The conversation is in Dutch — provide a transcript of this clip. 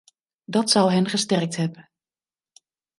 Dat zou hen gesterkt hebben.